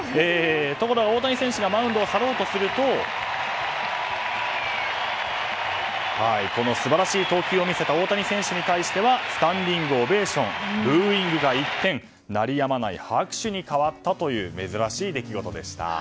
ところが、大谷選手がマウンドを去ろうとするとこの素晴らしい投球を見せた大谷選手に対してはスタンディングオベーションブーイングが一転鳴りやまない拍手に変わったという珍しい出来事でした。